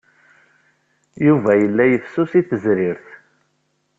Yuba yella fessus i tezrirt.